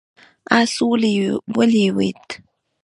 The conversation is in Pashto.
آس ولوېد.